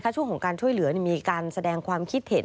ช่วงของการช่วยเหลือมีการแสดงความคิดเห็น